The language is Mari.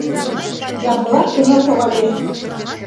Ямблат кынел шогалеш.